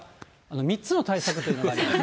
３つの対策というのがあります。